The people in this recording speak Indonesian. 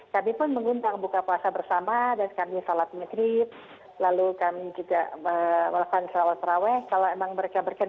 kami pun mengundang buka puasa bersama dan kami sholat maghrib lalu kami juga melakukan salat raweh kalau memang mereka berkenda